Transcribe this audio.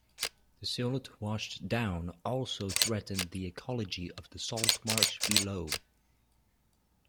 The silt washed down also threatened the ecology of the saltmarsh below.